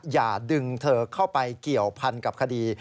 อย่าดึงเธอเข้าไปเกี่ยวพันกับคดี